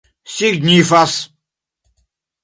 signifas